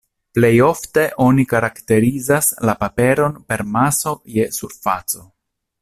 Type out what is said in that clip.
Plej ofte oni karakterizas la paperon per maso je surfaco.